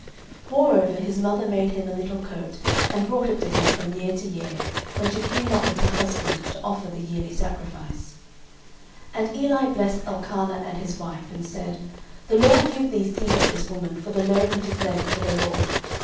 09:002:019 Moreover his mother made him a little coat, and brought it to him from year to year, when she came up with her husband to offer the yearly sacrifice. 09:002:020 And Eli blessed Elkanah and his wife, and said, The LORD give thee seed of this woman for the loan which is lent to the LORD.